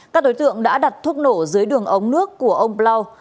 các đối tượng đã đặt thuốc nổ dưới đường ống nước của ông bloo